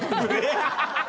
ハハハハ！